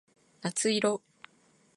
夏色